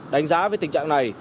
đánh giá về tình trạng này